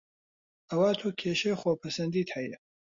ئەوا تۆ کێشەی خۆ پەسەندیت هەیە